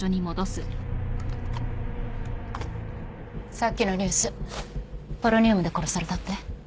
さっきのニュースポロニウムで殺されたって？